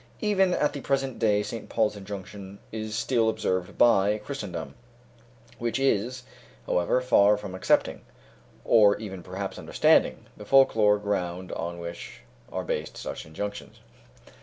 Even at the present day St. Paul's injunction is still observed by Christendom, which is, however, far from accepting, or even perhaps understanding, the folk lore ground on which are based such injunctions.